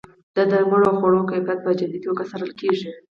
د درملو او خوړو کیفیت په جدي توګه څارل کیږي.